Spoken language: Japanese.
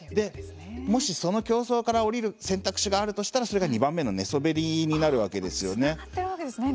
もし、その競争から下る選択肢があるとしたらそれが２番目の寝そべりになるわけですよね。